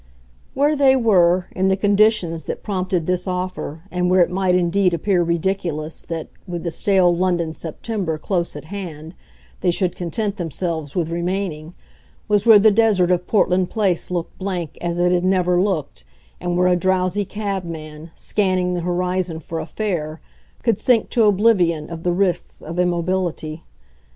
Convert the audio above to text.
Where they were, in the conditions that prompted this offer, and where it might indeed appear ridiculous that, with the stale London September close at hand, they should content themselves with remaining, was where the desert of Portland Place looked blank as it had never looked, and where a drowsy cabman, scanning the horizon for a fare, could sink to oblivion of the risks of immobility.